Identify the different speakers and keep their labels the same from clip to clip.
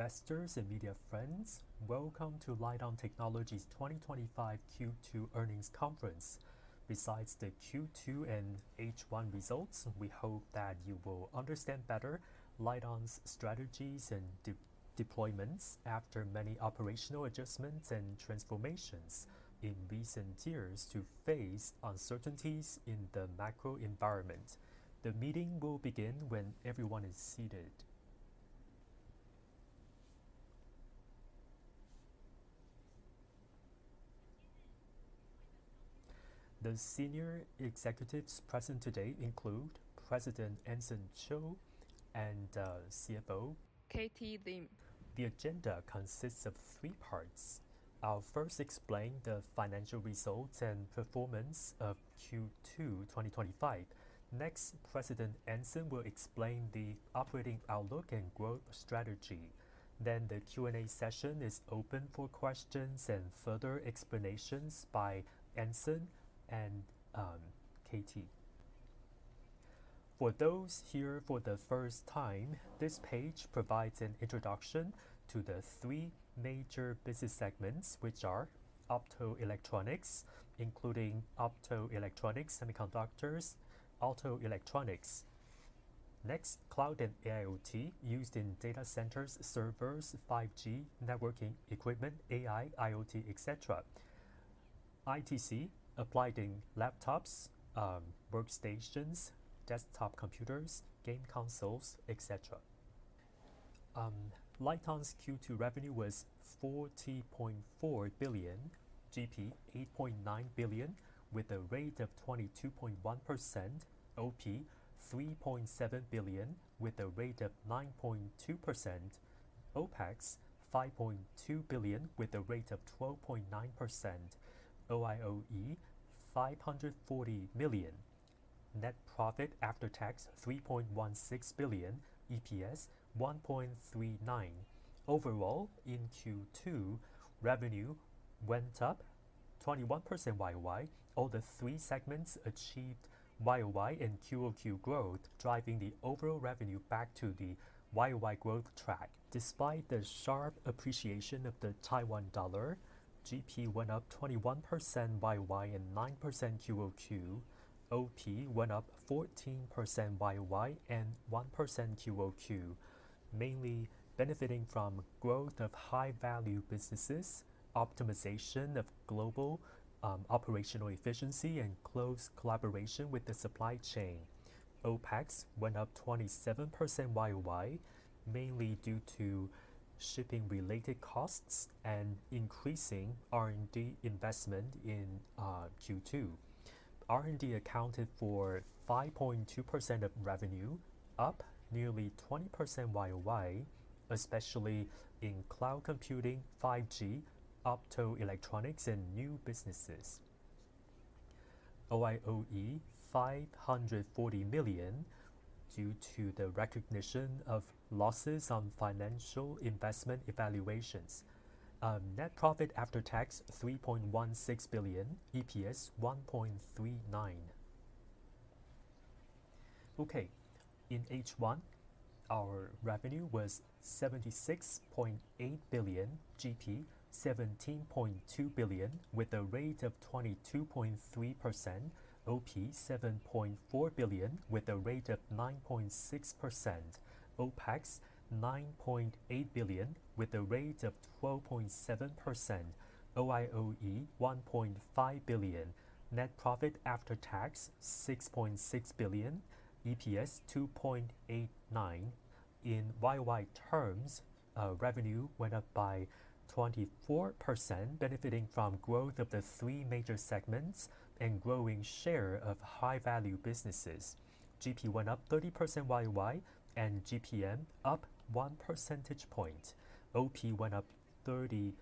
Speaker 1: Dear investors and media friends, welcome to LITEON Technology's 2025 Q2 earnings conference. Besides the Q2 and H1 results, we hope that you will understand better LITEON's strategies and deployments after many operational adjustments and transformations in recent years to face uncertainties in the macro environment. The meeting will begin when everyone is seated. The senior executives present today include President Anson Chiu and CFO... KT Lim. The agenda consists of three parts. I'll first explain the financial results and performance of Q2 2025. Next, President Anson Chiu will explain the operating outlook and growth strategy. The Q&A session is open for questions and further explanations by Anson and KT. For those here for the first time, this page provides an introduction to the three major business segments, which are: optoelectronics, including optoelectronics, semiconductors, and autoelectronics. Next, cloud and AIoT, used in data centers, servers, 5G networking equipment, AI, IoT, etc. ITC, applied in laptops, workstations, desktop computers, game consoles, etc. LITEON's Q2 revenue was 40.4 billion, GP 8.9 billion with a rate of 22.1%, OP 3.7 billion with a rate of 9.2%, OpEx 5.2 billion with a rate of 12.9%, OIOE 540 million. Net profit after tax 3.16 billion, EPS 1.39. Overall, in Q2, revenue went up 21% YoY. All the three segments achieved YoY and QoQ growth, driving the overall revenue back to the YoY growth track. Despite the sharp appreciation of the Taiwan dollar, GP went up 21% YoY and 9% QoQ. OP went up 14% YoY and 1% QoQ, mainly benefiting from growth of high-value businesses, optimization of global operational efficiency, and close collaboration with the supply chain. OpEx went up 27% YoY, mainly due to shipping-related costs and increasing R&D investment in Q2. R&D accounted for 5.2% of revenue, up nearly 20% YoY, especially in cloud computing, 5G, optoelectronics, and new businesses. OIOE 540 million due to the recognition of losses on financial investment evaluations. Net profit after tax 3.16 billion, EPS 1.39. In H1, our revenue was 76.8 billion, GP 17.2 billion with a rate of 22.3%, OP 7.4 billion with a rate of 9.6%, OpEx 9.8 billion with a rate of 12.7%, OIOE 1.5 billion, net profit after tax 6.6 billion, EPS 2.89. In YoY terms, revenue went up by 24%, benefiting from growth of the three major segments and growing share of high-value businesses. GP went up 30% YoY, and GPM up 1 percentage point. OP went up 34%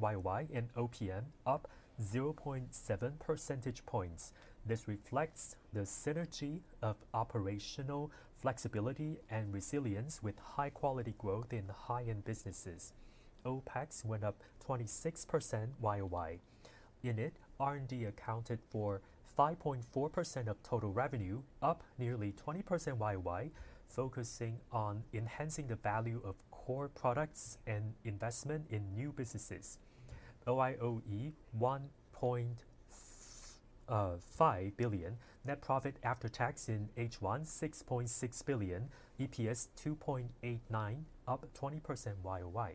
Speaker 1: YoY, and OPM up 0.7 percentage points. This reflects the synergy of operational flexibility and resilience with high-quality growth in high-end businesses. OpEx went up 26% YoY. In it, R&D accounted for 5.4% of total revenue, up nearly 20% YoY, focusing on enhancing the value of core products and investment in new businesses. OIOE 1.5 billion, net profit after tax in H1 6.6 billion, EPS 2.89, up 20% YoY.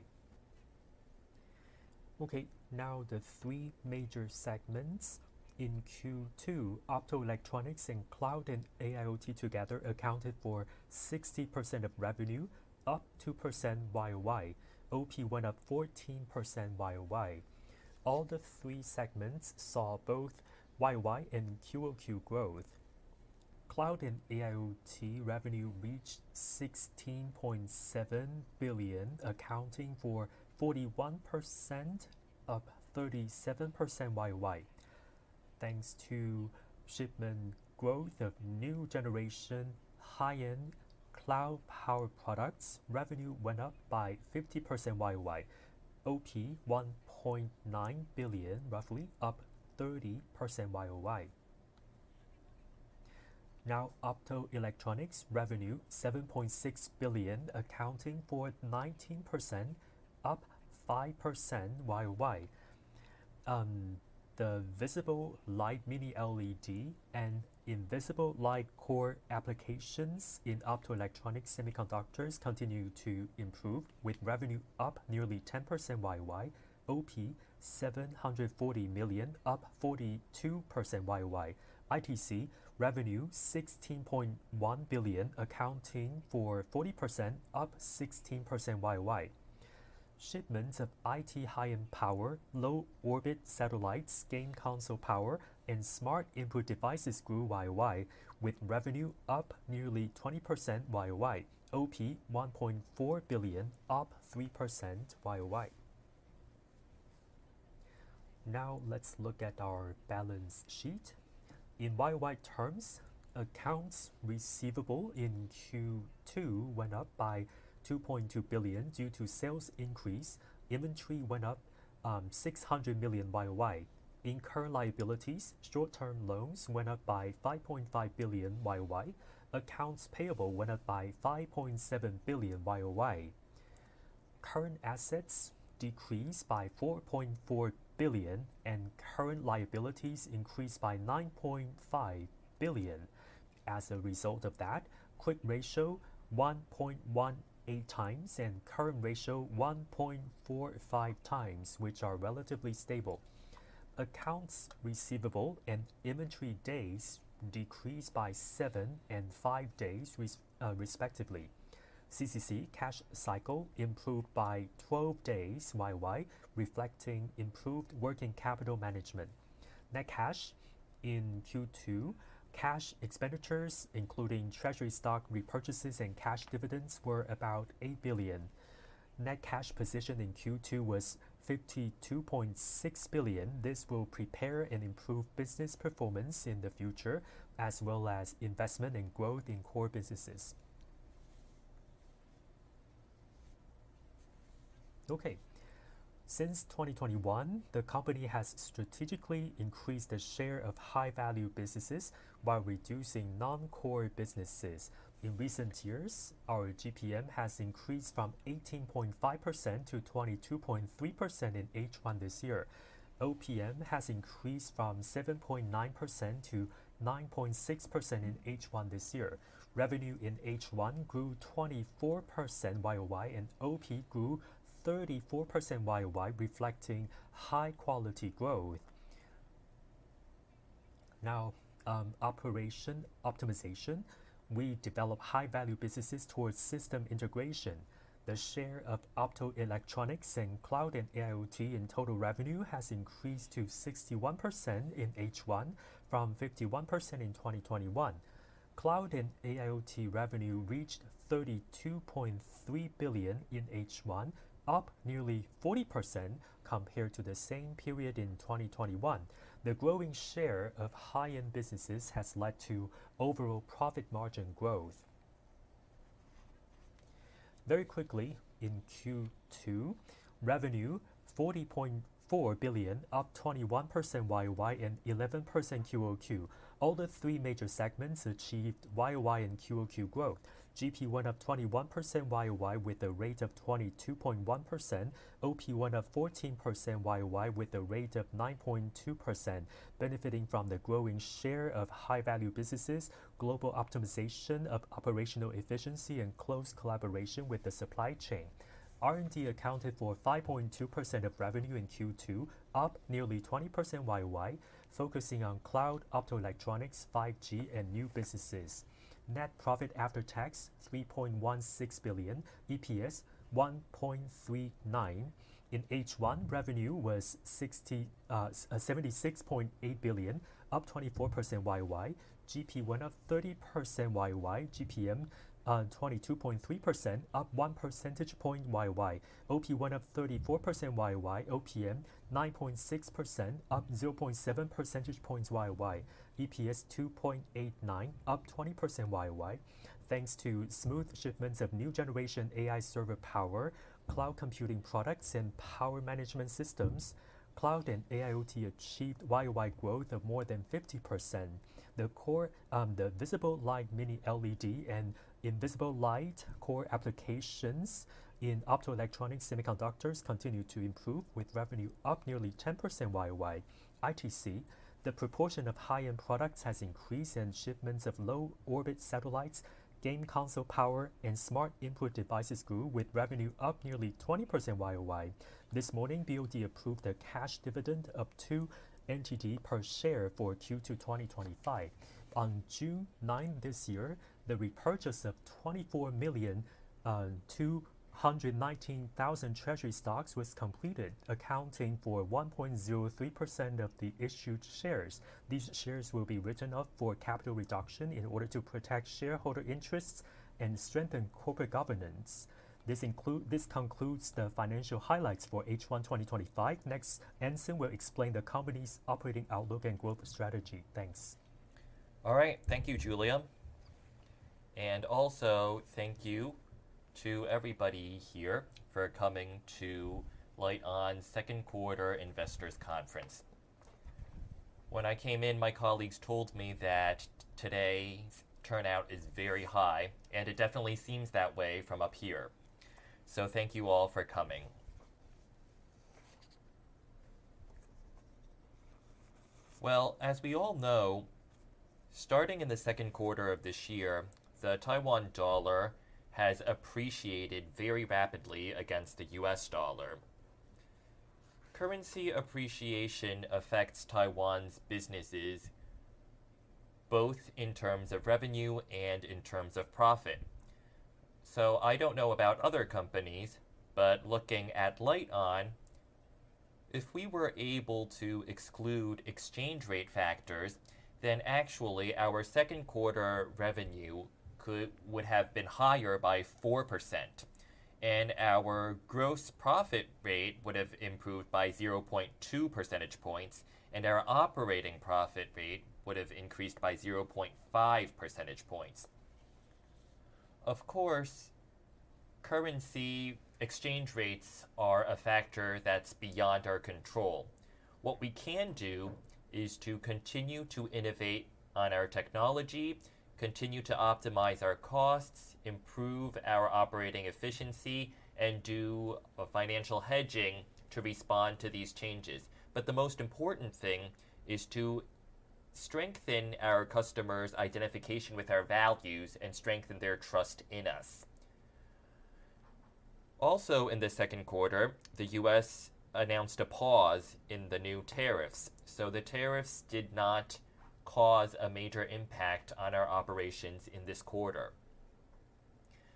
Speaker 1: Okay, now the three major segments in Q2, optoelectronics and cloud and AIoT together accounted for 60% of revenue, up 2% YoY. OP went up 14% YoY. All the three segments saw both YoY and QoQ growth. Cloud and AIoT revenue reached 16.7 billion, accounting for 41%, up 37% YoY. Thanks to shipment growth of new-generation high-end cloud-powered products, revenue went up by 50% YoY. OP 1.9 billion, roughly up 30% YoY. Now, optoelectronics revenue 7.6 billion, accounting for 19%, up 5% YoY. The visible light Mini LED and invisible light core applications in optoelectronics semiconductors continue to improve, with revenue up nearly 10% YoY. OP 740 million, up 42% YoY. ITC revenue 16.1 billion, accounting for 40%, up 16% YoY. Shipments of IT high-end power, low-orbit satellites, gaming console power supplies, and smart input devices grew YoY, with revenue up nearly 20% YoY. OP 1.4 billion, up 3% YoY. Now, let's look at our balance sheet. In YoY terms, accounts receivable in Q2 went up by 2.2 billion due to sales increase. Inventory went up 600 million YoY. In current liabilities, short-term loans went up by 5.5 billion YoY. Accounts payable went up by 5.7 billion YoY. Current assets decreased by 4.4 billion, and current liabilities increased by 9.5 billion. As a result of that, quick ratio 1.18x and current ratio 1.45x, which are relatively stable. Accounts receivable and inventory days decreased by seven and five days, respectively. CCC cash cycle improved by 12 days YoY, reflecting improved working capital management. Net cash in Q2, cash expenditures including treasury stock repurchases and cash dividends were about 8 billion. Net cash position in Q2 was 52.6 billion. This will prepare and improve business performance in the future, as well as investment and growth in core businesses. Okay, since 2021, the company has strategically increased the share of high-value businesses while reducing non-core businesses. In recent years, our GPM has increased from 18.5% to 22.3% in H1 this year. OPM has increased from 7.9% to 9.6% in H1 this year. Revenue in H1 grew 24% YoY, and OP grew 34% YoY, reflecting high-quality growth. Now, operation optimization, we develop high-value businesses towards system integration. The share of optoelectronics and cloud and AIoT in total revenue has increased to 61% in H1 from 51% in 2021. Cloud and AIoT revenue reached 32.3 billion in H1, up nearly 40% compared to the same period in 2021. The growing share of high-end businesses has led to overall profit margin growth. Very quickly, in Q2, revenue 40.4 billion, up 21% YoY and 11% QoQ. All the three major segments achieved YoY and QoQ growth. GP went up 21% YoY with a rate of 22.1%. OP went up 14% YoY with a rate of 9.2%, benefiting from the growing share of high-value businesses, global optimization of operational efficiency, and close collaboration with the supply chain. R&D accounted for 5.2% of revenue in Q2, up nearly 20% YoY, focusing on cloud, optoelectronics, 5G, and new businesses. Net profit after tax 3.16 billion, EPS 1.39. In H1, revenue was 76.8 billion, up 24% YoY. GP went up 30% YoY, GPM 22.3%, up 1 percentage point YoY. OP went up 34% YoY, OPM 9.6%, up 0.7 percentage points YoY. EPS 2.89, up 20% YoY. Thanks to smooth shipments of new-generation AI server power, cloud computing products, and power management systems, cloud and AIoT achieved YoY growth of more than 50%. The core visible light Mini LED and invisible light core applications in optoelectronics semiconductors continue to improve, with revenue up nearly 10% YoY. ITC, the proportion of high-end products has increased, and shipments of low-orbit satellites, gaming console power supplies, and smart input devices grew, with revenue up nearly 20% YoY. This morning, the BOD approved a cash dividend of 2 per share for Q2 2025. On June 9 this year, the repurchase of 24,219,000 treasury stocks was completed, accounting for 1.03% of the issued shares. These shares will be written up for capital reduction in order to protect shareholder interests and strengthen corporate governance. This concludes the financial highlights for H1 2025. Next, Anson Chiu will explain the company's operating outlook and growth strategy. Thanks.
Speaker 2: All right, thank you, Julia. Thank you to everybody here for coming to LITEON's second quarter investors conference. When I came in, my colleagues told me that today's turnout is very high, and it definitely seems that way from up here. Thank you all for coming. As we all know, starting in the second quarter of this year, the Taiwan dollar has appreciated very rapidly against the U.S. dollar. Currency appreciation affects Taiwan's businesses both in terms of revenue and in terms of profit. I don't know about other companies, but looking at LITEON, if we were able to exclude exchange rate factors, then actually our second quarter revenue would have been higher by 4%, our gross profit rate would have improved by 0.2 percentage points, and our operating profit rate would have increased by 0.5 percentage points. Of course, currency exchange rates are a factor that's beyond our control. What we can do is to continue to innovate on our technology, continue to optimize our costs, improve our operating efficiency, and do financial hedging to respond to these changes. The most important thing is to strengthen our customers' identification with our values and strengthen their trust in us. Also, in the second quarter, the U.S. announced a pause in the new tariffs, so the tariffs did not cause a major impact on our operations in this quarter.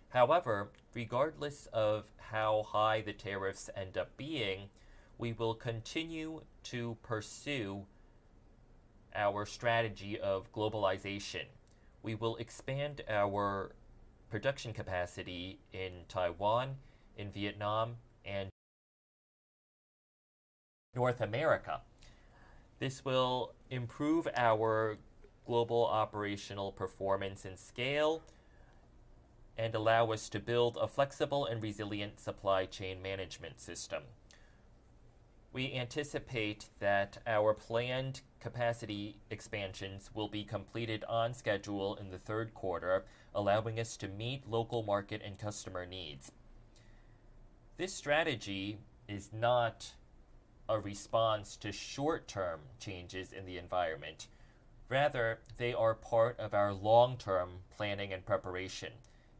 Speaker 2: However, regardless of how high the tariffs end up being, we will continue to pursue our strategy of globalization. We will expand our production capacity in Taiwan, in Vietnam, and North America. This will improve our global operational performance and scale and allow us to build a flexible and resilient supply chain management system. We anticipate that our planned capacity expansions will be completed on schedule in the third quarter, allowing us to meet local market and customer needs. This strategy is not a response to short-term changes in the environment; they are part of our long-term planning and preparation.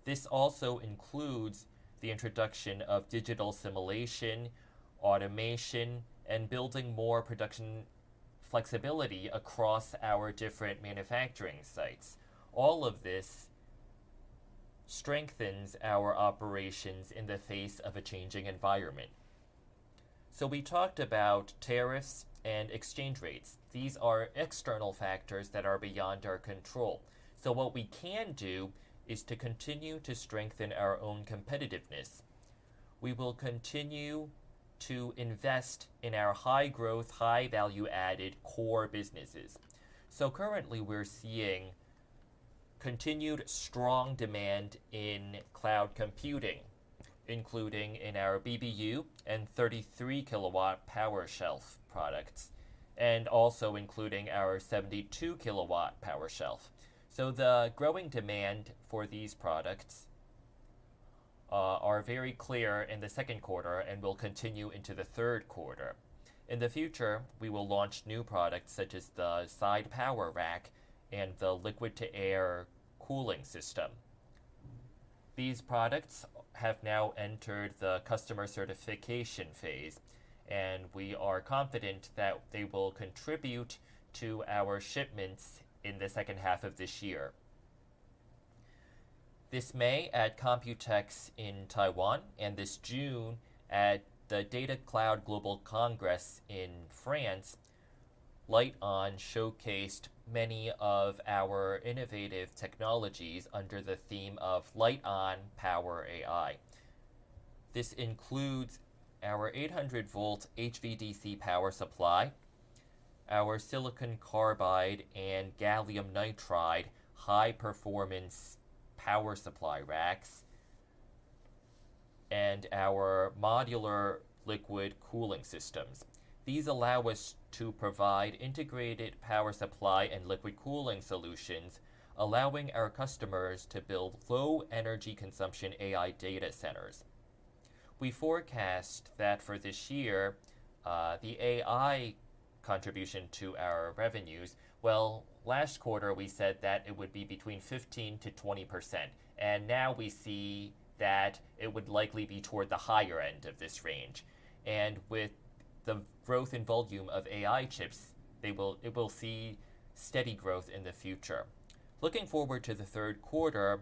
Speaker 2: This also includes the introduction of digital simulation, automation, and building more production flexibility across our different manufacturing sites. All of this strengthens our operations in the face of a changing environment. We talked about tariffs and exchange rates. These are external factors that are beyond our control. What we can do is to continue to strengthen our own competitiveness. We will continue to invest in our high-growth, high-value-added core businesses. Currently, we're seeing continued strong demand in cloud computing, including in our BBU and 33 kW power shelf products, and also including our 72 kW power shelf. The growing demand for these products is very clear in the second quarter and will continue into the third quarter. In the future, we will launch new products such as the side power rack and the liquid-to-air cooling system. These products have now entered the customer certification phase, and we are confident that they will contribute to our shipments in the second half of this year. This May at COMPUTEX in Taiwan and this June at the Datacloud Global Congress in France, LITEON showcased many of our innovative technologies under the theme of LITEON Power AI. This includes our 800-volt HVDC power supply, our silicon carbide and gallium nitride high-performance power supply racks, and our modular liquid cooling systems. These allow us to provide integrated power supply and liquid cooling solutions, allowing our customers to build low-energy consumption AI data centers. We forecast that for this year, the AI contribution to our revenues, last quarter we said that it would be between 15%-20%, and now we see that it would likely be toward the higher end of this range. With the growth in volume of AI chips, it will see steady growth in the future. Looking forward to the third quarter,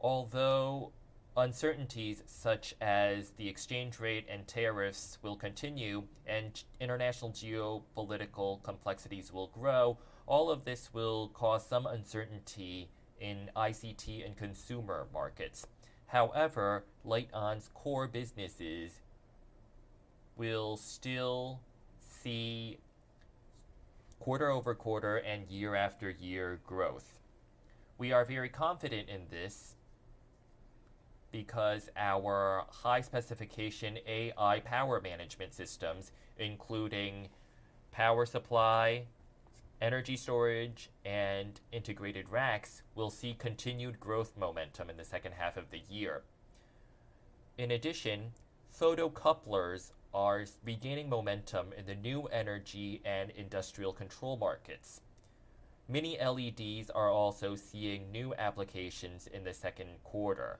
Speaker 2: although uncertainties such as the exchange rate and tariffs will continue and international geopolitical complexities will grow, all of this will cause some uncertainty in ICT and consumer markets. However, LITEON's core businesses will still see quarter-over-quarter and year after year growth. We are very confident in this because our high-specification AI power management systems, including power supply, energy storage, and integrated racks, will see continued growth momentum in the second half of the year. In addition, photocouplers are regaining momentum in the new energy and industrial control markets. Mini LEDs are also seeing new applications in the second quarter.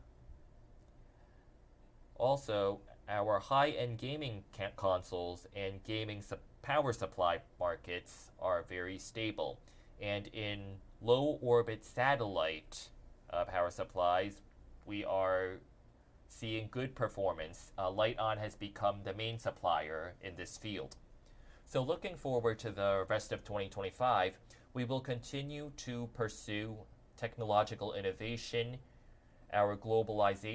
Speaker 2: Also, our high-end gaming consoles and gaming power supply markets are very stable. In low-orbit satellite power supplies, we are seeing good performance. LITEON has become the main supplier in this field. Looking forward to the rest of 2025, we will continue to pursue technological innovation, our globalized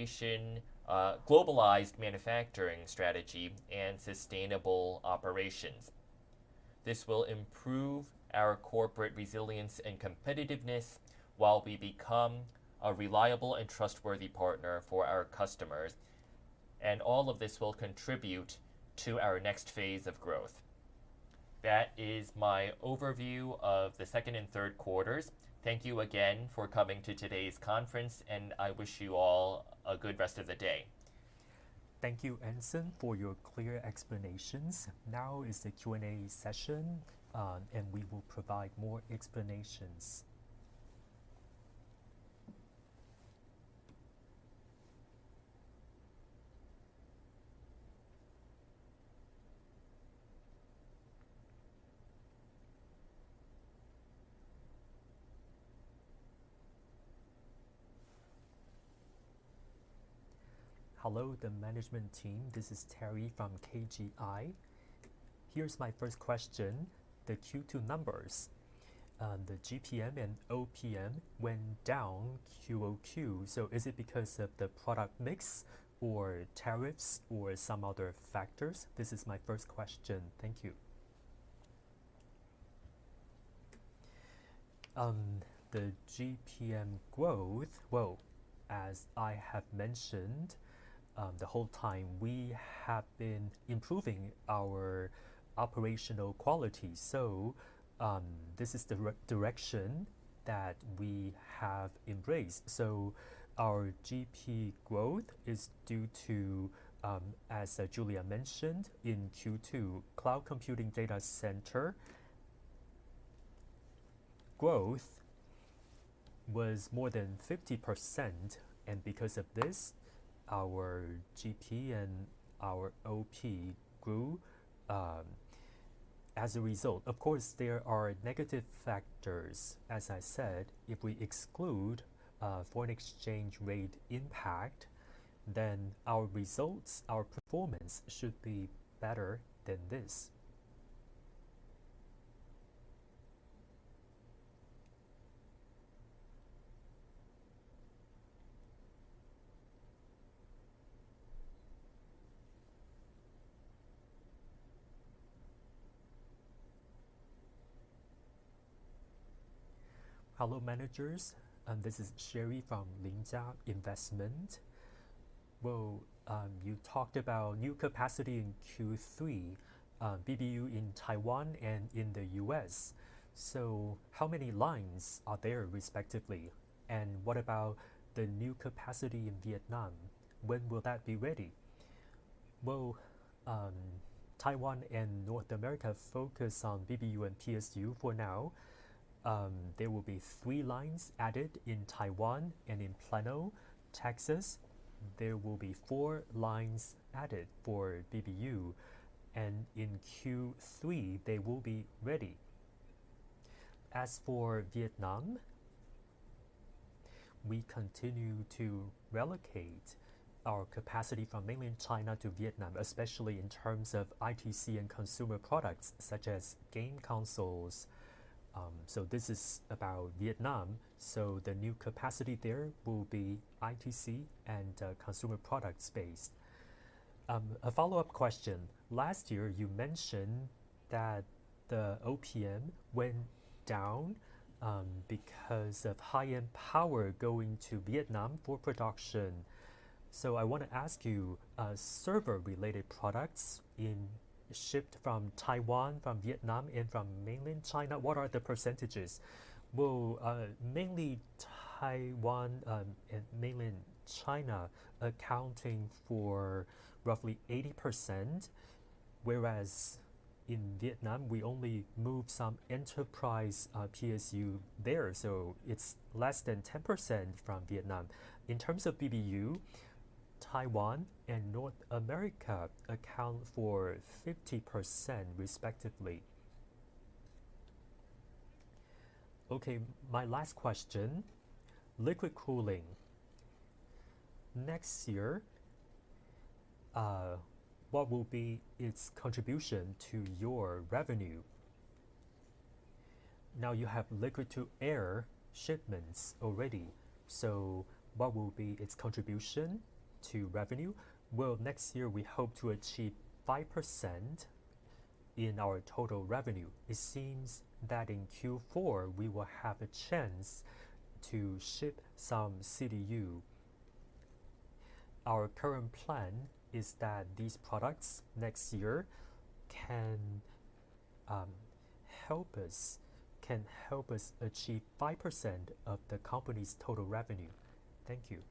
Speaker 2: manufacturing strategy, and sustainable operations. This will improve our corporate resilience and competitiveness while we become a reliable and trustworthy partner for our customers, and all of this will contribute to our next phase of growth. That is my overview of the second and third quarters. Thank you again for coming to today's conference, and I wish you all a good rest of the day.
Speaker 1: Thank you, Anson, for your clear explanations. Now is the Q&A session, and we will provide more explanations.
Speaker 3: Hello, the management team. This is Terry from KGI. Here's my first question. The Q2 numbers, the GPM and OPM went down QoQ. Is it because of the product mix or tariffs or some other factors? This is my first question. Thank you.
Speaker 2: The GPM growth, as I have mentioned the whole time, we have been improving our operational quality. This is the direction that we have embraced. Our GP growth is due to, as Julia mentioned, in Q2, cloud computing data center growth was more than 50%. Because of this, our GP and our OP grew as a result. Of course, there are negative factors. As I said, if we exclude foreign exchange rate impact, then our results, our performance should be better than this. Hello, managers. This is Sherry from Linjia Investment. You talked about new capacity in Q3, BBU in Taiwan and in the U.S. How many lines are there respectively? What about the new capacity in Vietnam? When will that be ready? Taiwan and North America focus on BBU and PSU for now. There will be three lines added in Taiwan and in Plano, Texas. There will be four lines added for BBU. In Q3, they will be ready. As for Vietnam, we continue to relocate our capacity from mainland China to Vietnam, especially in terms of ITC and consumer products such as gaming consoles. This is about Vietnam. The new capacity there will be ITC and consumer products based. A follow-up question. Last year, you mentioned that the OPM went down because of high-end power going to Vietnam for production. I want to ask you, server-related products shipped from Taiwan, from Vietnam, and from mainland China, what are the percentages? Mainly Taiwan and mainland China accounting for roughly 80%, whereas in Vietnam, we only move some enterprise PSU there. It's less than 10% from Vietnam. In terms of BBU, Taiwan and North America account for 50% respectively. Okay, my last question. Liquid cooling. Next year, what will be its contribution to your revenue? Now you have liquid-to-air shipments already. What will be its contribution to revenue? Next year, we hope to achieve 5% in our total revenue. It seems that in Q4, we will have a chance to ship some CDU. Our current plan is that these products next year can help us achieve 5% of the company's total revenue. Thank you.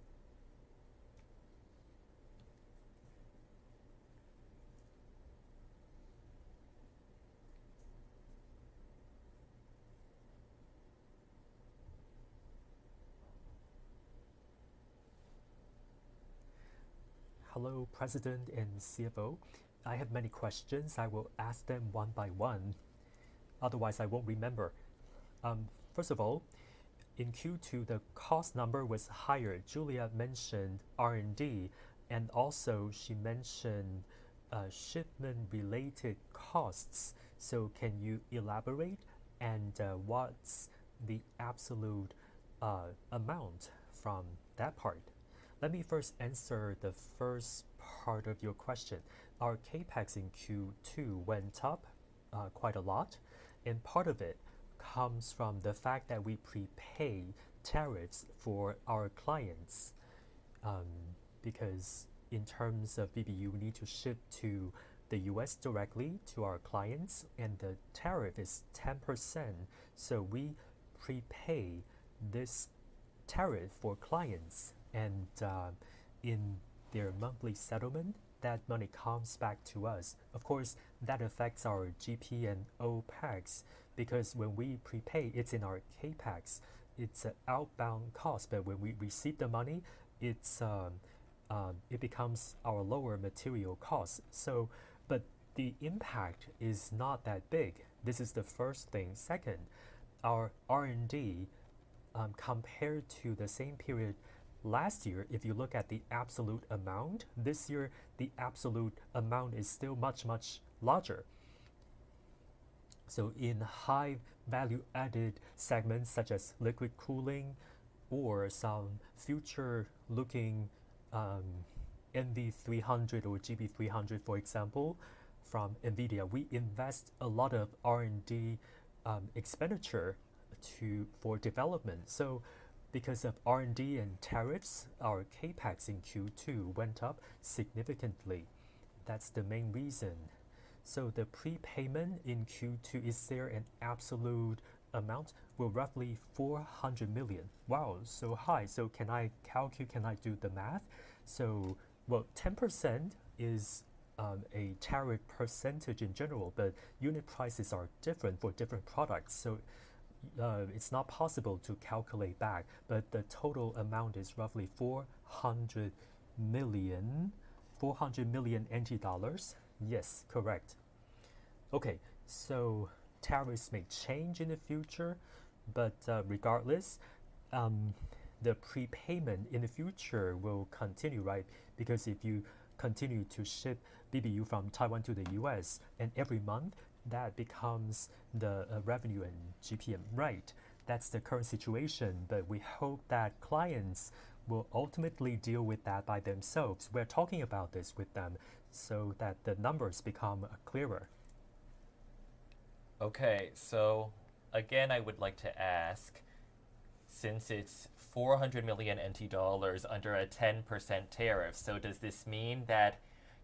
Speaker 2: Hello, President and CFO. I have many questions. I will ask them one by one. Otherwise, I won't remember. First of all, in Q2, the cost number was higher. Julia mentioned R&D, and also she mentioned shipment-related costs. Can you elaborate? What's the absolute amount from that part? Let me first answer the first part of your question. Our CapEx in Q2 went up quite a lot, and part of it comes from the fact that we prepay tariffs for our clients. In terms of BBU, we need to ship to the U.S. directly to our clients, and the tariff is 10%. We prepay this tariff for clients, and in their monthly settlement, that money comes back to us. Of course, that affects our GP and OpEx because when we prepay, it's in our CapEx. It's an outbound cost, but when we receive the money, it becomes our lower material cost. The impact is not that big. This is the first thing. Second, our R&D compared to the same period last year, if you look at the absolute amount, this year, the absolute amount is still much, much larger. In high-value-added segments such as liquid cooling or some future-looking NV300 or GB300, for example, from NVIDIA, we invest a lot of R&D expenditure for development. Because of R&D and tariffs, our CapEx in Q2 went up significantly. That's the main reason. The prepayment in Q2, is there an absolute amount? Roughly 400 million. So high. Can I calculate? Can I do the math? 10% is a tariff percentage in general, but unit prices are different for different products. It's not possible to calculate back. The total amount is roughly 400 million. 400 million NT dollars? Yes, correct. Tariffs may change in the future, but regardless, the prepayment in the future will continue, right? If you continue to ship BBU from Taiwan to the U.S., and every month, that becomes the revenue and GPM. Right? That's the current situation, but we hope that clients will ultimately deal with that by themselves. We're talking about this with them so that the numbers become clearer. Okay, so again, I would like to ask, since it's 400 million NT dollars under a 10% tariff, does this mean that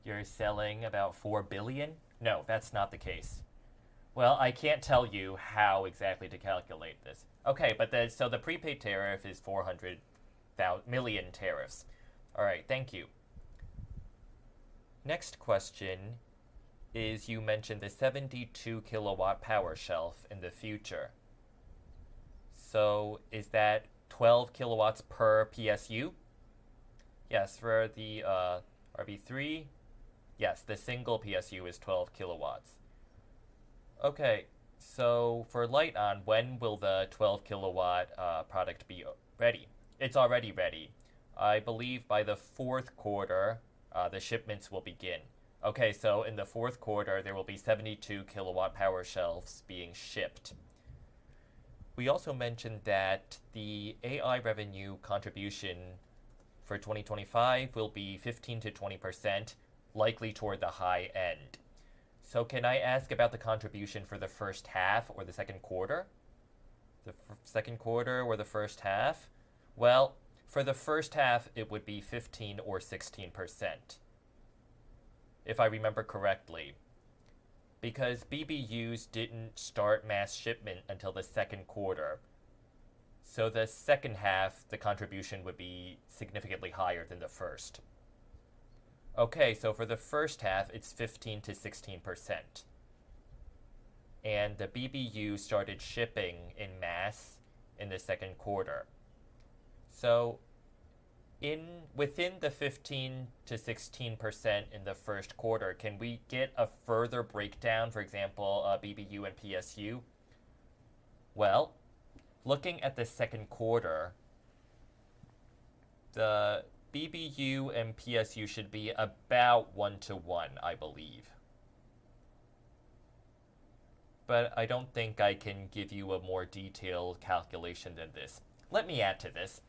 Speaker 2: you're selling about 4 billion? No, that's not the case. I can't tell you how exactly to calculate this. Okay, but the prepaid tariff is 400 million tariffs. All right, thank you. Next question is, you mentioned the 72 kW power shelf in the future. Is that 12 kW per PSU? Yes, for the RV3. Yes, the single PSU is 12 kW. For LITEON, when will the 12 kW product be ready? It's already ready. I believe by the fourth quarter, the shipments will begin. In the fourth quarter, there will be 72 kW power shelves being shipped. We also mentioned that the AI revenue contribution for 2025 will be 15% to 20%, likely toward the high end. Can I ask about the contribution for the first half or the second quarter? The second quarter or the first half? For the first half, it would be 15% or 16%, if I remember correctly, because BBUs didn't start mass shipment until the second quarter. The second half, the contribution would be significantly higher than the first. For the first half, it's 15%-16%. The BBU started shipping en masse in the second quarter. Within the 15%-16% in the first quarter, can we get a further breakdown, for example, BBU and PSU? Looking at the second quarter, the BBU and PSU should be about one to one, I believe. I don't think I can give you a more detailed calculation than this.
Speaker 1: Let me add to this.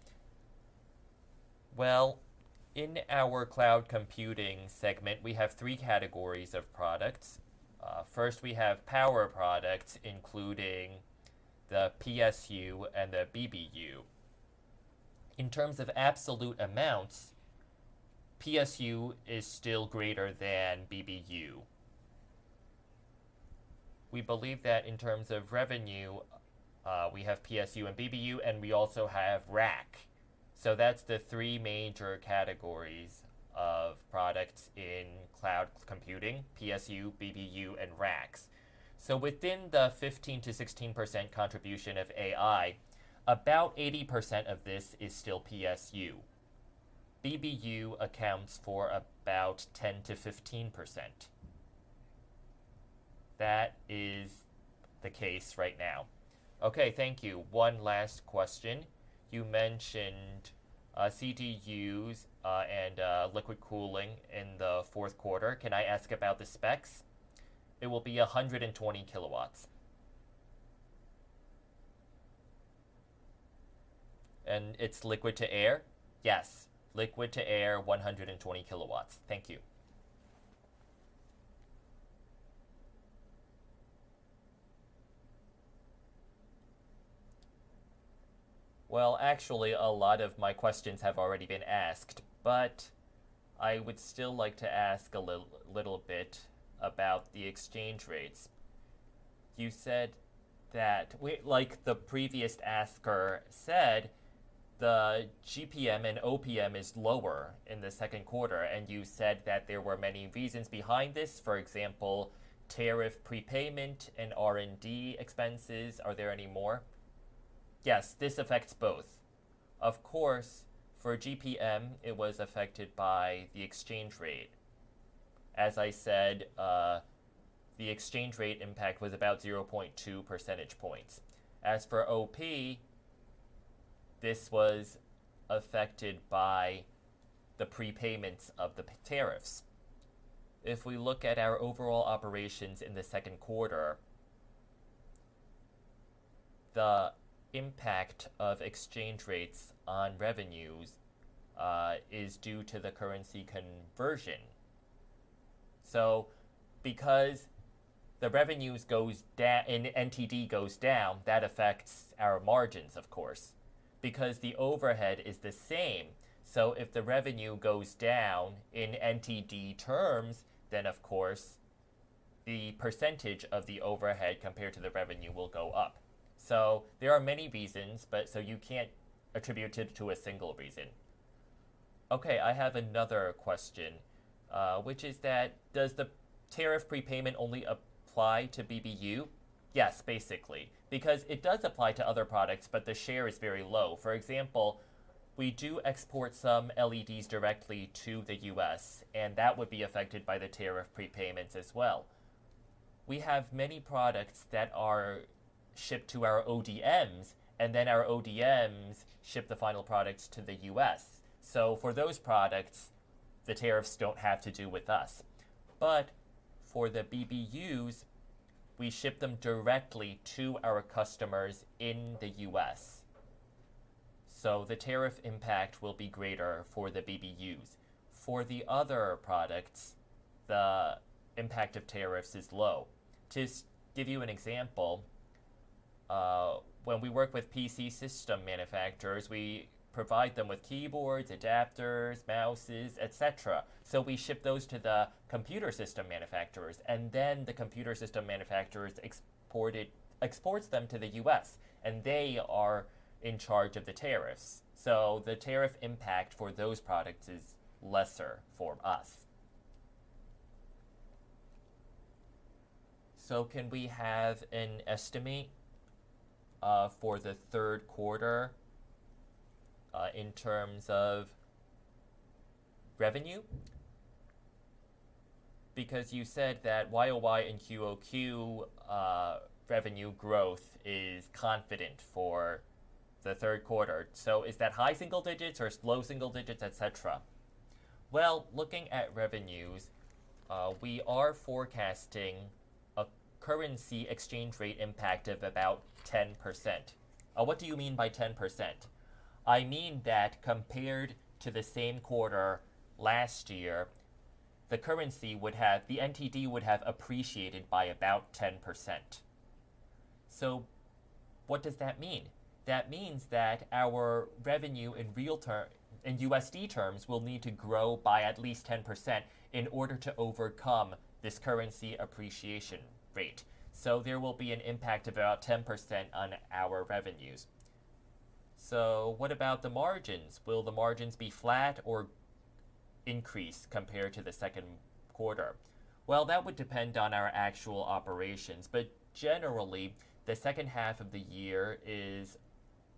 Speaker 1: In our cloud computing segment, we have three categories of products. First, we have power products, including the PSU and the BBU. In terms of absolute amounts, PSU is still greater than BBU. We believe that in terms of revenue, we have PSU and BBU, and we also have RAC. That's the three major categories of products in cloud computing: PSU, BBU, and RAC. Within the 15%-16% contribution of AI, about 80% of this is still PSU. BBU accounts for about 10%-15%. That is the case right now. Thank you. One last question. You mentioned CDUs and liquid cooling in the fourth quarter. Can I ask about the specs?
Speaker 2: It will be 120 kW. And it's liquid to air? Yes, liquid to air, 120 kW. Thank you. Actually, a lot of my questions have already been asked, but I would still like to ask a little bit about the exchange rates. You said that, like the previous asker said, the GPM and OPM is lower in the second quarter, and you said that there were many reasons behind this. For example, tariff prepayment and R&D expenses. Are there any more? Yes, this affects both. Of course, for GPM, it was affected by the exchange rate. As I said, the exchange rate impact was about 0.2 percentage points. As for OP, this was affected by the prepayments of the tariffs. If we look at our overall operations in the second quarter, the impact of exchange rates on revenues is due to the currency conversion. Because the revenues go down and NTD goes down, that affects our margins, of course, because the overhead is the same. If the revenue goes down in NTD terms, then, of course, the percentage of the overhead compared to the revenue will go up. There are many reasons, so you can't attribute it to a single reason. Okay, I have another question, which is that, does the tariff prepayment only apply to BBU? Yes, basically, because it does apply to other products, but the share is very low. For example, we do export some LEDs directly to the U.S., and that would be affected by the tariff prepayments as well. We have many products that are shipped to our ODMs, and then our ODMs ship the final products to the U.S. For those products, the tariffs don't have to do with us. For the BBUs, we ship them directly to our customers in the U.S., so the tariff impact will be greater for the BBUs. For the other products, the impact of tariffs is low. To give you an example, when we work with PC system manufacturers, we provide them with keyboards, adapters, mouses, etc. We ship those to the computer system manufacturers, and then the computer system manufacturers export them to the U.S., and they are in charge of the tariffs. The tariff impact for those products is lesser for us. Can we have an estimate for the third quarter in terms of revenue? Because you said that YoY and QoQ revenue growth is confident for the third quarter. Is that high single digits or low single digits, etc.? Looking at revenues, we are forecasting a currency exchange rate impact of about 10%. What do you mean by 10%? I mean that compared to the same quarter last year, the currency would have, the NTD would have appreciated by about 10%. What does that mean? That means that our revenue in real terms, in USD terms, will need to grow by at least 10% in order to overcome this currency appreciation rate. There will be an impact of about 10% on our revenues. What about the margins? Will the margins be flat or increase compared to the second quarter? That would depend on our actual operations, but generally, the second half of the year is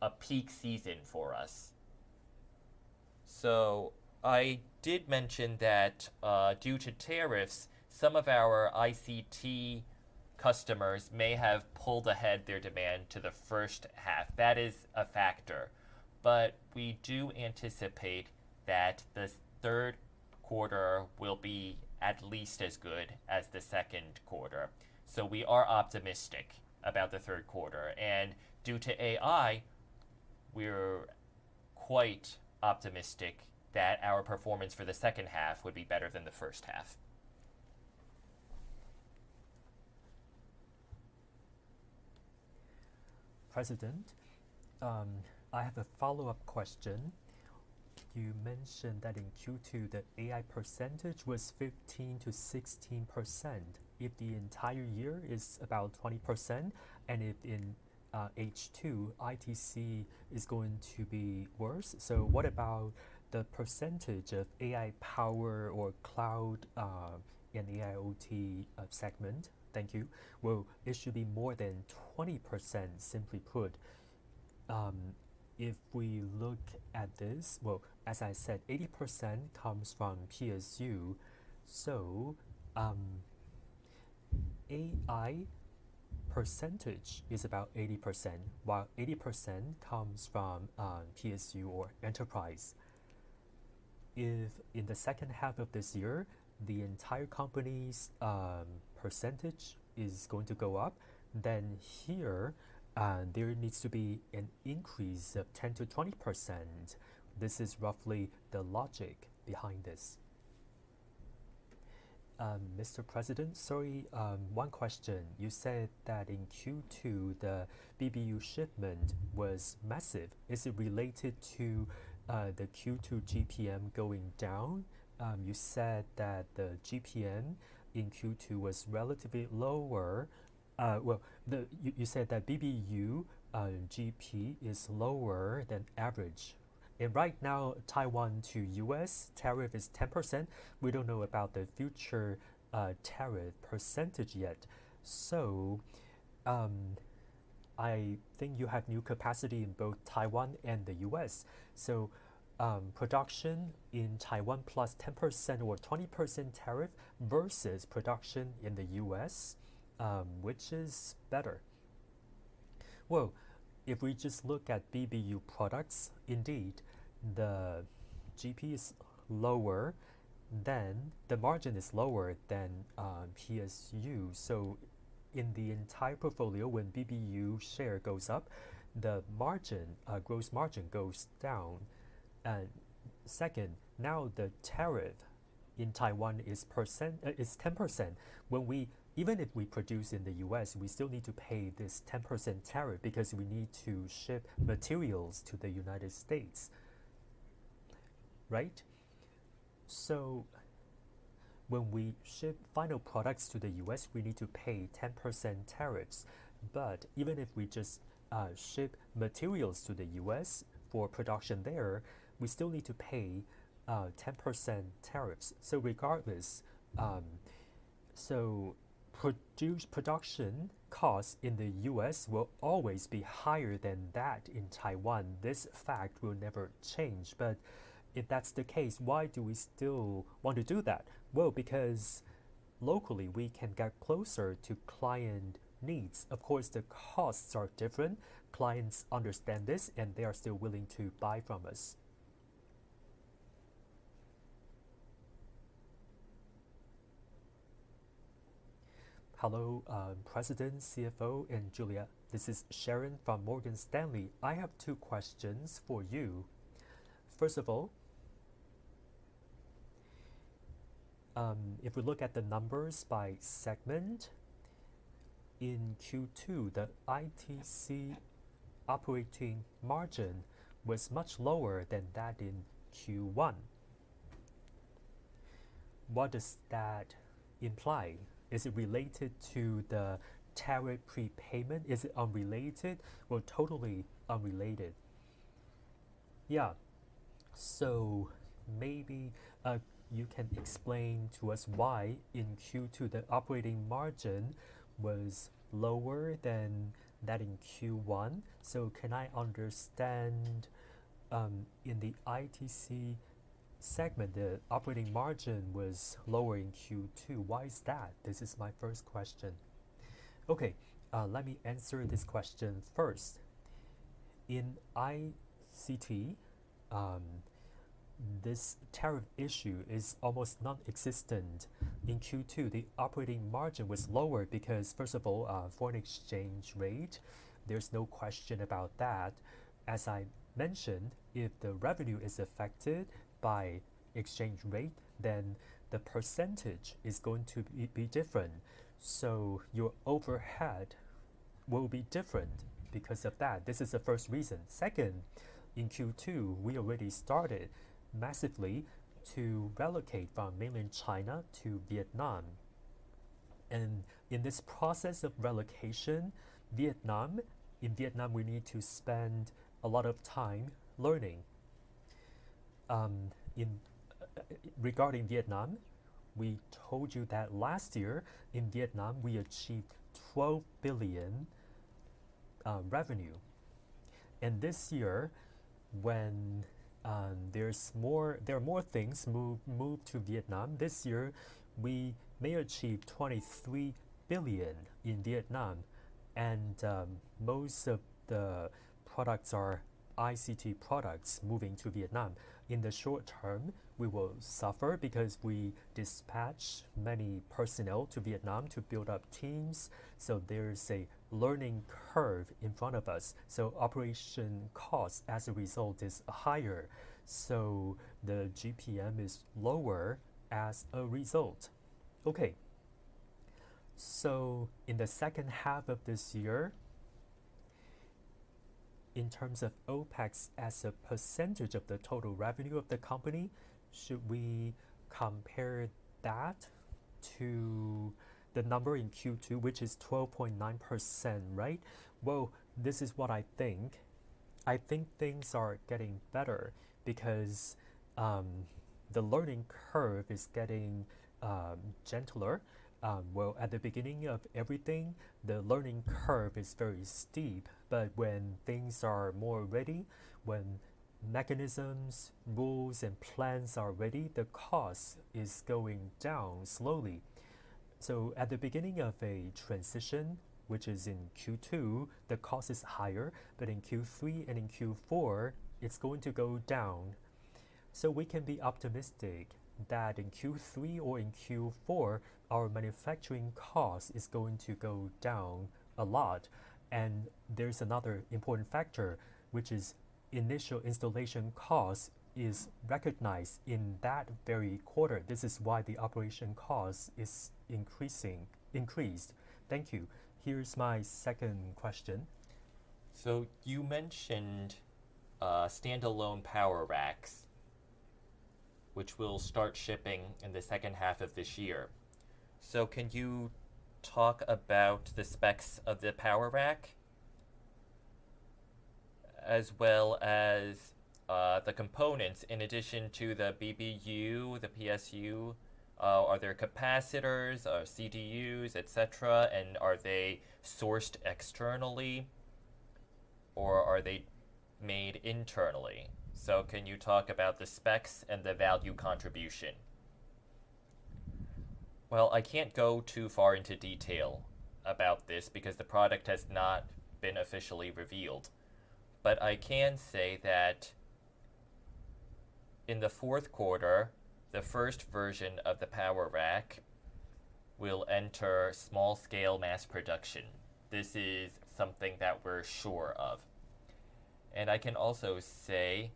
Speaker 2: a peak season for us. I did mention that due to tariffs, some of our ITC customers may have pulled ahead their demand to the first half. That is a factor. We do anticipate that the third quarter will be at least as good as the second quarter. We are optimistic about the third quarter, and due to AI, we're quite optimistic that our performance for the second half would be better than the first half. President, I have a follow-up question. You mentioned that in Q2, the AI percentage was 15%-16%. If the entire year is about 20%, and if in H2, ITC is going to be worse, what about the percentage of AI power or cloud and AIoT segment? Thank you. It should be more than 20%, simply put. If we look at this, as I said, 80% comes from PSU. AI percentage is about 80%, while 80% comes from PSU or enterprise. If in the second half of this year, the entire company's percentage is going to go up, then there needs to be an increase of 10% to 20%. This is roughly the logic behind this. Mr. President, sorry, one question. You said that in Q2, the BBU shipment was massive. Is it related to the Q2 GPM going down? You said that the GPM in Q2 was relatively lower. You said that BBU GP is lower than average. Right now, Taiwan to U.S. tariff is 10%. We don't know about the future tariff percentage yet. I think you have new capacity in both Taiwan and the U.S. Production in Taiwan plus 10% or 20% tariff versus production in the U.S., which is better? If we just look at BBU products, indeed, the GP is lower, then the margin is lower than PSU. In the entire portfolio, when BBU share goes up, the gross margin goes down. Second, now the tariff in Taiwan is 10%. Even if we produce in the U.S., we still need to pay this 10% tariff because we need to ship materials to the United States, right? When we ship final products to the U.S., we need to pay 10% tariffs. Even if we just ship materials to the U.S. for production there, we still need to pay 10% tariffs. Regardless, production costs in the U.S. will always be higher than that in Taiwan. This fact will never change. If that's the case, why do we still want to do that? Because locally we can get closer to client needs. Of course, the costs are different. Clients understand this, and they are still willing to buy from us.
Speaker 4: Hello, President, CFO, and Julia. This is Sharon from Morgan Stanley. I have two questions for you. First of all, if we look at the numbers by segment, in Q2, the ITC operating margin was much lower than that in Q1. What does that imply? Is it related to the tariff prepayment? Is it unrelated or totally unrelated? Maybe you can explain to us why in Q2 the operating margin was lower than that in Q1. Can I understand in the ITC segment, the operating margin was lower in Q2. Why is that? This is my first question.
Speaker 2: Okay, let me answer this question first. In ITC, this tariff issue is almost nonexistent. In Q2, the operating margin was lower because, first of all, foreign exchange rate, there's no question about that. As I mentioned, if the revenue is affected by exchange rate, then the percentage is going to be different. Your overhead will be different because of that. This is the first reason. Second, in Q2, we already started massively to relocate from mainland China to Vietnam. In this process of relocation, in Vietnam, we need to spend a lot of time learning. Regarding Vietnam, we told you that last year in Vietnam, we achieved 12 billion revenue. This year, when there are more things moved to Vietnam, this year we may achieve 23 billion in Vietnam. Most of the products are ITC products moving to Vietnam. In the short term, we will suffer because we dispatch many personnel to Vietnam to build up teams. There's a learning curve in front of us. Operation cost, as a result, is higher. The GPM is lower as a result.
Speaker 4: In the second half of this year, in terms of OpEx as a percentage of the total revenue of the company, should we compare that to the number in Q2, which is 12.9%, right?
Speaker 2: This is what I think. I think things are getting better because the learning curve is getting gentler. At the beginning of everything, the learning curve is very steep. When things are more ready, when mechanisms, rules, and plans are ready, the cost is going down slowly. At the beginning of a transition, which is in Q2, the cost is higher. In Q3 and in Q4, it's going to go down. We can be optimistic that in Q3 or in Q4, our manufacturing cost is going to go down a lot. There's another important factor, which is initial installation cost is recognized in that very quarter. This is why the operation cost is increased. Thank you.
Speaker 4: Here's my second question. You mentioned standalone power racks, which will start shipping in the second half of this year. Can you talk about the specs of the power rack as well as the components in addition to the BBU, the PSU? Are there capacitors or CDUs, etc.? Are they sourced externally or are they made internally? Can you talk about the specs and the value contribution?
Speaker 2: I can't go too far into detail about this because the product has not been officially revealed. I can say that in the fourth quarter, the first version of the power rack will enter small-scale mass production. This is something that we're sure of. I can also say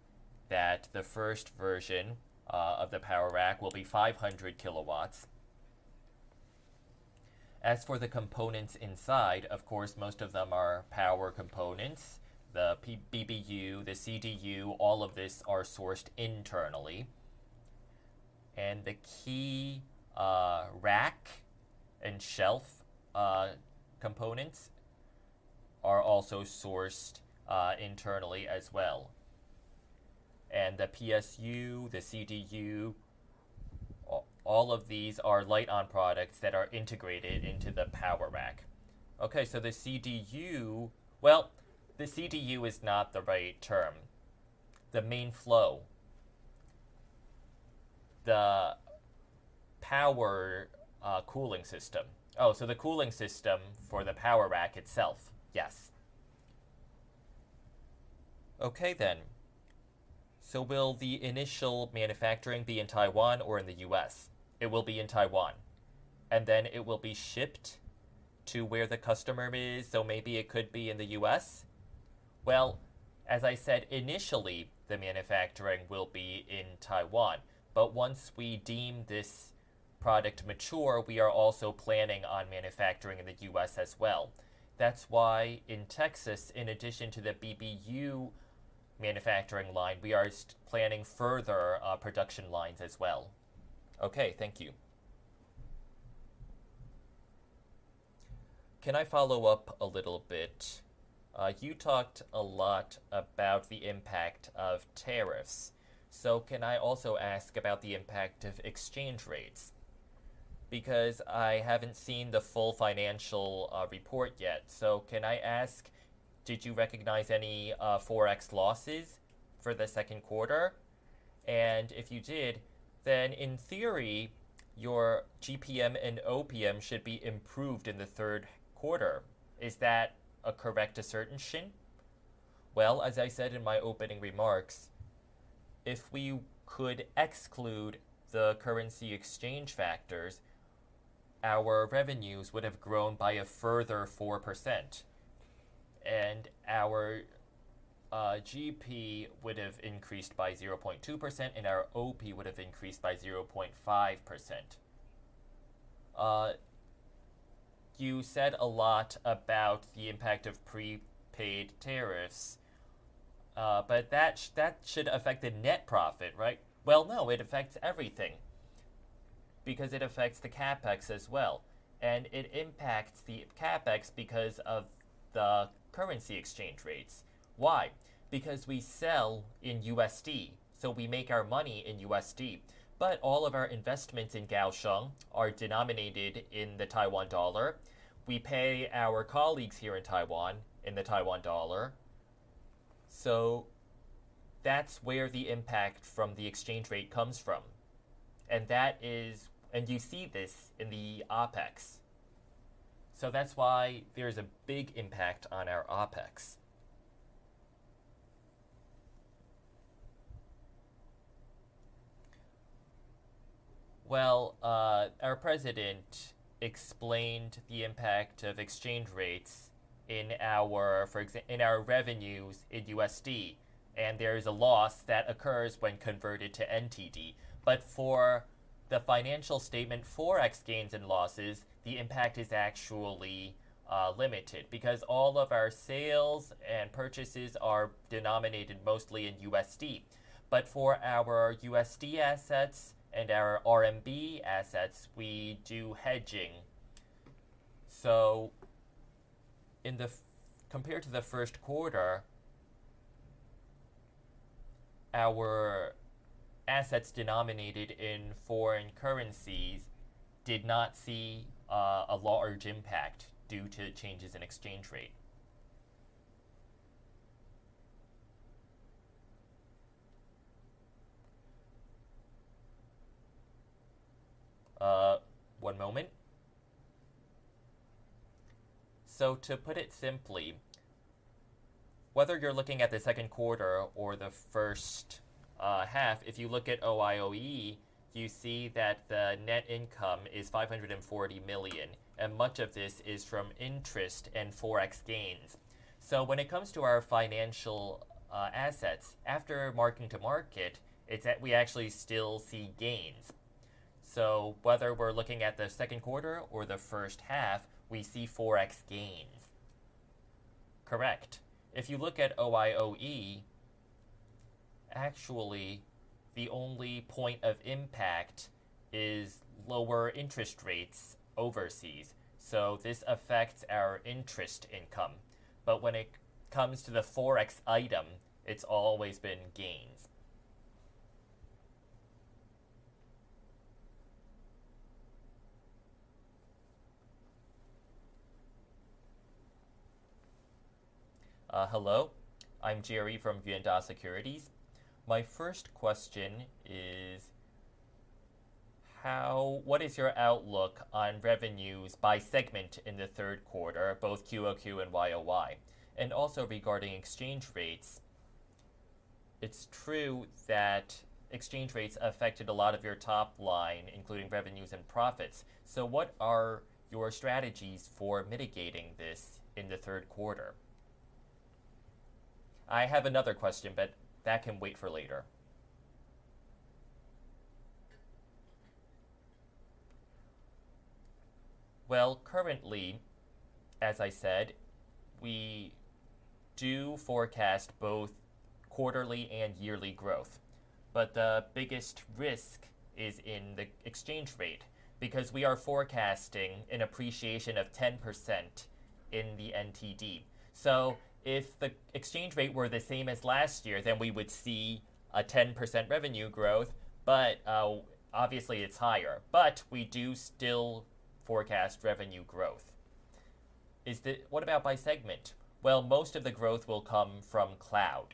Speaker 2: that the first version of the power rack will be 500 kW. As for the components inside, most of them are power components. The BBU, the CDU, all of this are sourced internally. The key rack and shelf components are also sourced internally as well. The PSU, the CDU, all of these are LITEON products that are integrated into the power rack. The CDU is not the right term. The main flow, the power cooling system. Oh, the cooling system for the power rack itself. Yes.
Speaker 4: Will the initial manufacturing be in Taiwan or in the U.S.?
Speaker 2: It will be in Taiwan.
Speaker 4: It will be shipped to where the customer is, so maybe it could be in the U.S.?
Speaker 2: Initially, the manufacturing will be in Taiwan. Once we deem this product mature, we are also planning on manufacturing in the U.S. as well. That's why in Texas, in addition to the BBU manufacturing line, we are planning further production lines as well.
Speaker 4: Thank you. Can I follow up a little bit? You talked a lot about the impact of tariffs. Can I also ask about the impact of exchange rates? I haven't seen the full financial report yet. Did you recognize any forex losses for the second quarter? If you did, then in theory, your GPM and OPM should be improved in the third quarter. Is that a correct assertion?
Speaker 2: As I said in my opening remarks, if we could exclude the currency exchange factors, our revenues would have grown by a further 4%. Our GP would have increased by 0.2%, and our OP would have increased by 0.5%. You said a lot about the impact of prepaid tariffs, but that should affect the net profit, right? No, it affects everything because it affects the CapEx as well. It impacts the CapEx because of the currency exchange rates. Why? Because we sell in USD. We make our money in USD, but all of our investments in Kaohsiung are denominated in the Taiwan dollar. We pay our colleagues here in Taiwan in the Taiwan dollar. That is where the impact from the exchange rate comes from, and you see this in the OpEx. That is why there is a big impact on our OpEx.
Speaker 5: Our President explained the impact of exchange rates in our revenues in USD, and there is a loss that occurs when converted to NTD. For the financial statement, forex gains and losses, the impact is actually limited because all of our sales and purchases are denominated mostly in USD. For our USD assets and our RMB assets, we do hedging. Compared to the first quarter, our assets denominated in foreign currencies did not see a large impact due to changes in exchange rate. One moment. To put it simply, whether you're looking at the second quarter or the first half, if you look at OIOE, you see that the net income is 540 million, and much of this is from interest and forex gains. When it comes to our financial assets, after marking to market, we actually still see gains. Whether we're looking at the second quarter or the first half, we see forex gains. Correct. If you look at OIOE, actually, the only point of impact is lower interest rates overseas. This affects our interest income. When it comes to the forex item, it's always been gains.
Speaker 6: Hello, I'm Jerry from Yuanta Securities. My first question is, what is your outlook on revenues by segment in the third quarter, both QoQ and YoY? Also, regarding exchange rates, it's true that exchange rates affected a lot of your top line, including revenues and profits. What are your strategies for mitigating this in the third quarter? I have another question, but that can wait for later.
Speaker 2: Currently, as I said, we do forecast both quarterly and yearly growth. The biggest risk is in the exchange rate because we are forecasting an appreciation of 10% in the NTD. If the exchange rate were the same as last year, then we would see a 10% revenue growth. Obviously, it's higher, but we do still forecast revenue growth. What about by segment? Most of the growth will come from cloud,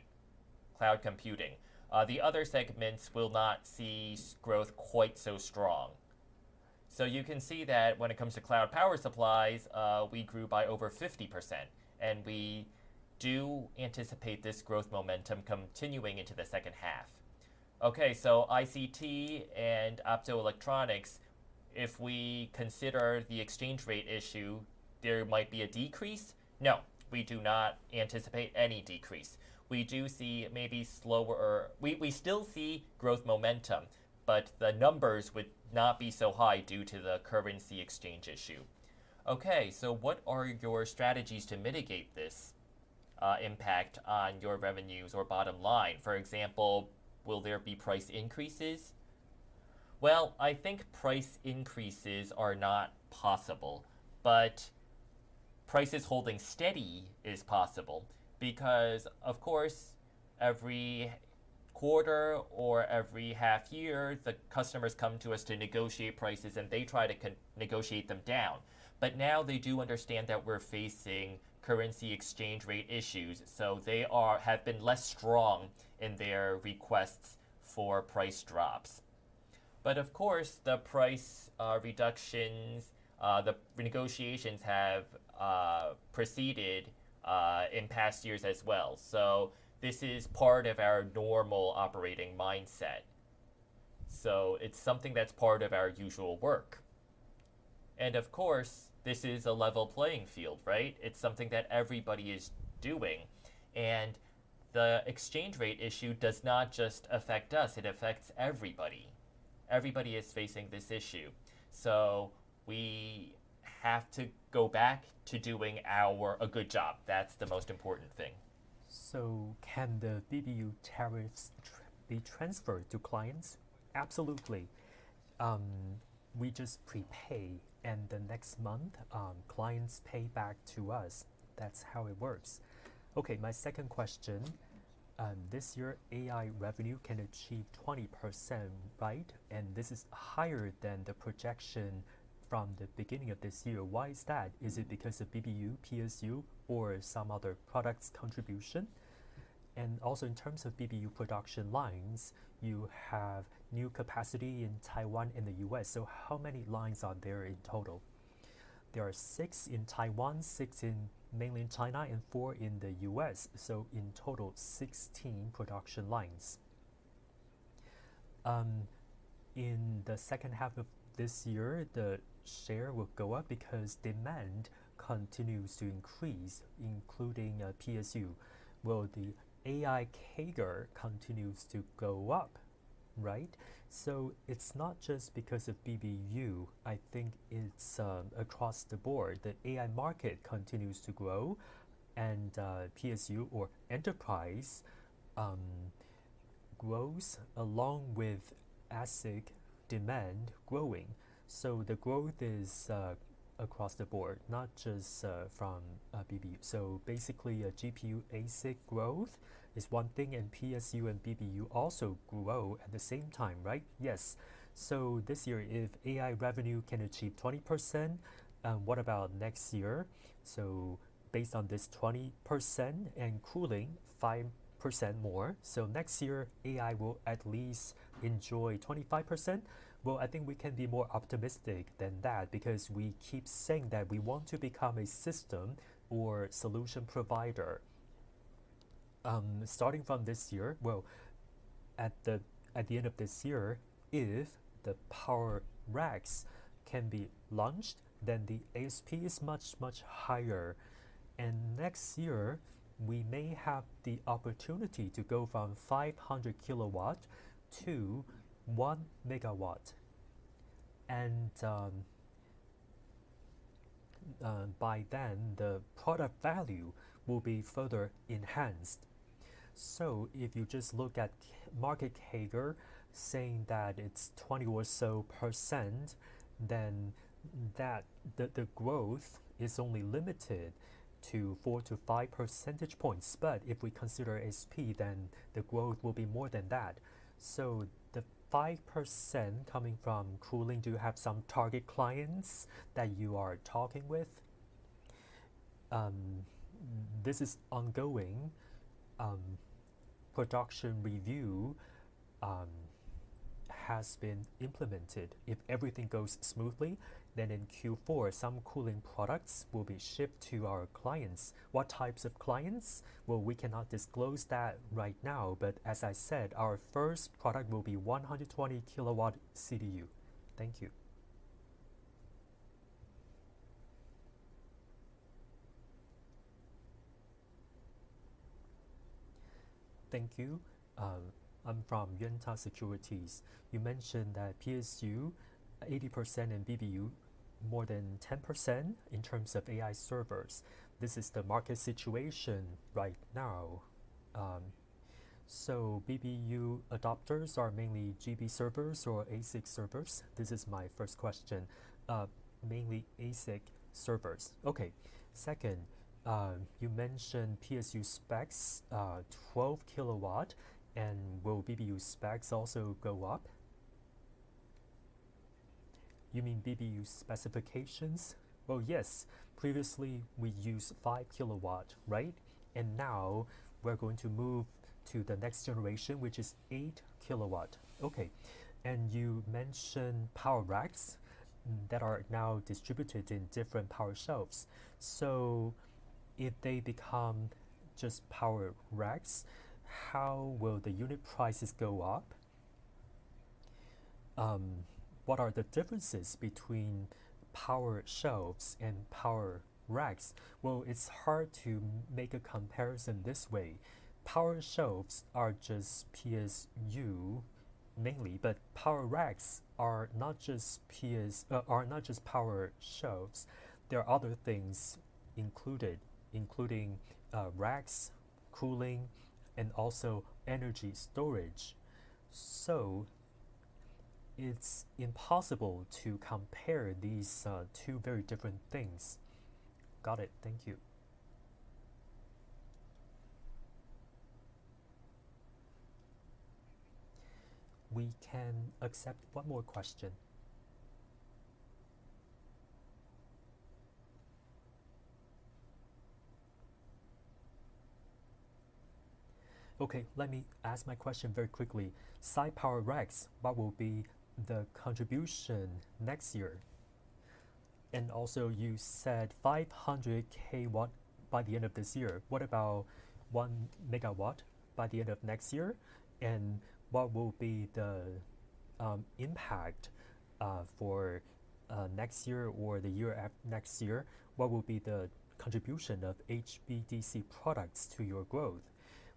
Speaker 2: cloud computing. The other segments will not see growth quite so strong. You can see that when it comes to cloud power supplies, we grew by over 50%, and we do anticipate this growth momentum continuing into the second half.
Speaker 6: Okay, so ITC and optoelectronics, if we consider the exchange rate issue, there might be a decrease? No, we do not anticipate any decrease. We do see maybe slower, we still see growth momentum, but the numbers would not be so high due to the currency exchange issue. Okay, so what are your strategies to mitigate this impact on your revenues or bottom line? For example, will there be price increases?
Speaker 2: I think price increases are not possible. Prices holding steady is possible because, of course, every quarter or every half year, the customers come to us to negotiate prices, and they try to negotiate them down. Now they do understand that we're facing currency exchange rate issues. They have been less strong in their requests for price drops. Of course, the price reductions, the renegotiations have preceded in past years as well. This is part of our normal operating mindset. It's something that's part of our usual work. This is a level playing field, right? It's something that everybody is doing. The exchange rate issue does not just affect us. It affects everybody. Everybody is facing this issue. We have to go back to doing our good job. That's the most important thing.
Speaker 6: Can the BBU tariffs be transferred to clients?
Speaker 2: Absolutely. We just prepay, and the next month, clients pay back to us. That's how it works.
Speaker 6: My second question. This year, AI revenue can achieve 20%, right? This is higher than the projection from the beginning of this year. Why is that? Is it because of BBU, PSU, or some other product's contribution? Also, in terms of BBU production lines, you have new capacity in Taiwan and the U.S. How many lines are there in total?
Speaker 2: There are six in Taiwan, six in mainland China, and four in the U.S., so in total, 16 production lines. In the second half of this year, the share will go up because demand continues to increase, including PSU. The AI CAGR continues to go up, right? It's not just because of BBU. I think it's across the board. The AI market continues to grow, and PSU or enterprise grows along with ASIC demand growing. The growth is across the board, not just from BBU.
Speaker 6: Basically, GPU ASIC growth is one thing, and PSU and BBU also grow at the same time, right?
Speaker 2: Yes.
Speaker 6: This year, if AI revenue can achieve 20%, what about next year? Based on this 20% and cooling 5% more, next year, AI will at least enjoy 25%?
Speaker 2: I think we can be more optimistic than that because we keep saying that we want to become a system or solution provider. Starting from this year, at the end of this year, if the power racks can be launched, then the ASP is much, much higher. Next year, we may have the opportunity to go from 500 kW to 1 MW, and by then, the product value will be further enhanced. If you just look at market CAGR saying that it's 20% or so, then the growth is only limited to 4%-5% percentage points. If we consider ASP, then the growth will be more than that.
Speaker 6: The 5% coming from cooling, do you have some target clients that you are talking with?
Speaker 2: This is ongoing. Production review has been implemented. If everything goes smoothly, in Q4, some cooling products will be shipped to our clients. What types of clients? We cannot disclose that right now, but as I said, our first product will be 120 kW CDU. Thank you. I'm from Yuanta Securities. You mentioned that PSU 80% and BBU more than 10% in terms of AI servers. This is the market situation right now. BBU adopters are mainly GB servers or ASIC servers? This is my first question. Mainly ASIC servers. Okay. Second, you mentioned PSU specs 12 kW, and will BBU specs also go up? You mean BBU specifications? Yes. Previously, we used 5 kW, right? Now we're going to move to the next generation, which is 8 kW. Okay. You mentioned power racks that are now distributed in different power shelves. If they become just power racks, how will the unit prices go up? What are the differences between power shelves and power racks? It's hard to make a comparison this way. Power shelves are just PSU mainly, but power racks are not just power shelves. There are other things included, including racks, cooling, and also energy storage. It's impossible to compare these two very different things. Got it. Thank you.
Speaker 1: We can accept one more question. Okay. Let me ask my question very quickly. Side power racks, what will be the contribution next year? You said 500 kilowatt by the end of this year. What about 1 megawatt by the end of next year? What will be the impact for next year or the year after next year? What will be the contribution of HVDC products to your growth?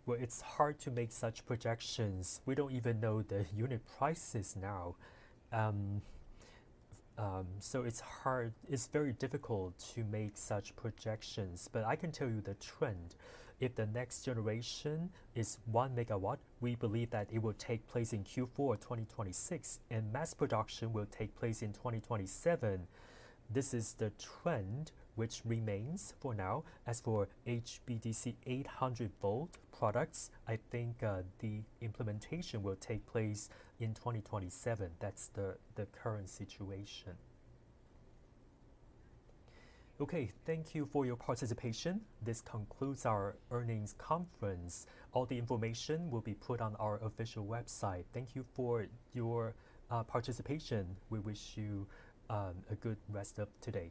Speaker 1: It's hard to make such projections. We don't even know the unit prices now. It's very difficult to make such projections. I can tell you the trend. If the next generation is 1 megawatt, we believe that it will take place in Q4 2026, and mass production will take place in 2027. This is the trend which remains for now. As for HVDC 800-volt products, I think the implementation will take place in 2027. That's the current situation. Okay. Thank you for your participation. This concludes our earnings conference. All the information will be put on our official website.
Speaker 2: Thank you for your participation. We wish you a good rest of the day.